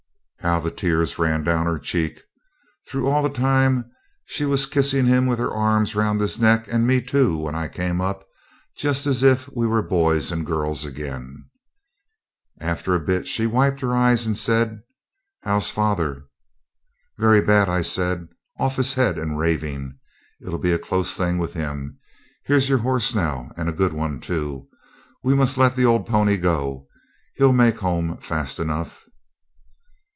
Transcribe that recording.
How the tears ran down her cheeks, though all the time she was kissing him with her arms round his neck; and me too, when I came up, just as if we were boys and girls again. After a bit she wiped her eyes, and said 'How's father?' 'Very bad,' I said; 'off his head, and raving. It'll be a close thing with him. Here's your horse now, and a good one too. We must let the old pony go; he'll make home fast enough.'